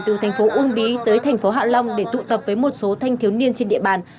từ thành phố uông bí tới thành phố hạ long để tụ tập với một số thanh thiếu niên trên địa bàn